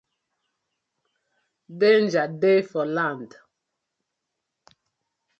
Danger dey for land.